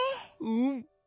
うん。